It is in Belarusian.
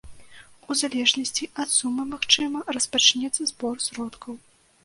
У залежнасці ад сумы, магчыма, распачнецца збор сродкаў.